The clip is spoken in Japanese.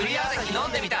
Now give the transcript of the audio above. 飲んでみた！